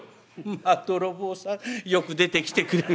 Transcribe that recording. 「まあ泥棒さんよく出てきてくれて」。